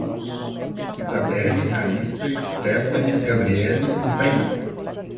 Isabeli, Rayssa, Stefany, Gabrielle e Thainá